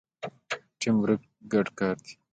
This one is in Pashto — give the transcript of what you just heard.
ټیم ورک ګډ کار دی